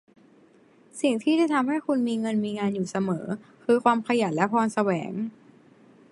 สิ่งที่จะทำให้คุณมีเงินมีงานอยู่เสมอคือความขยันและพรแสวง